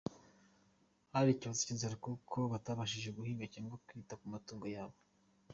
Hari ikibazo cy’inzara kuko batabashije guhinga cyangwa kwita ku matungo yabo.